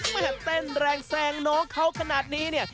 แม่เต้นแรงแซงน้องเขาขนาดนี้เนี่ย